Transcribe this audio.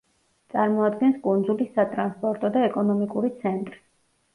წარმოადგენს კუნძულის სატრანსპორტო და ეკონომიკური ცენტრს.